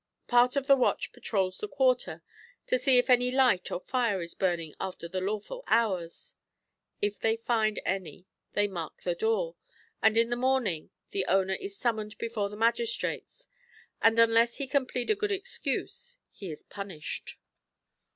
Part of the watch patrols the quarter, to see if any light or fire is burning after the lawful hours ; if they find any they mark the door, and in the morning the owner is sum moned before the magistrates, and unless he can plead a good excuse he is punished.